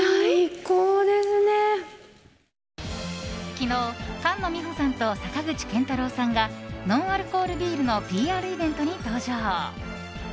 昨日、菅野美穂さんと坂口健太郎さんがノンアルコールビールのＰＲイベントに登場。